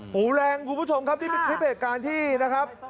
หูแรงมองไปด้วยครับนี้คลิปเทศกาลที่นะครับ